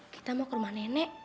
kita mau ke rumah nenek